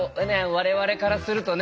我々からするとね